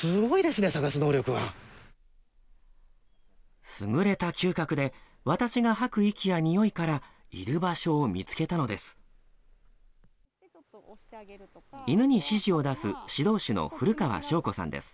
すぐれた嗅覚で、私が吐く息やにおいから、いる場所を見つけたのです。